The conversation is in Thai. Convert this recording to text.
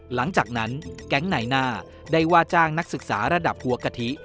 หลังจากนั้นแก๊งนายหน้าได้ว่าจ้างนักศึกษาระดับหัวกะทิ